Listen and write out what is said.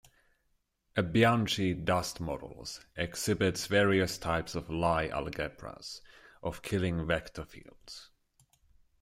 A Bianchi dust models exhibits various types of Lie algebras of Killing vector fields.